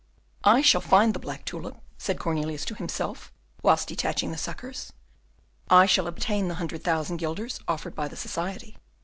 "I shall find the black tulip," said Cornelius to himself, whilst detaching the suckers. "I shall obtain the hundred thousand guilders offered by the Society.